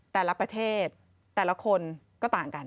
แต่ละประเทศแต่ละคนก็ต่างกัน